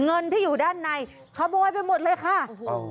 เงินที่อยู่ด้านในขโมยไปหมดเลยค่ะโอ้โห